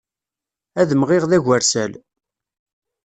Ad d-mɣiɣ d agersal.